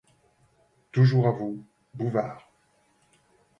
Toujours à vous, Bouvard.